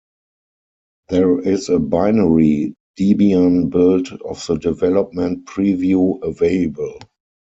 There is a binary Debian build of the development preview available.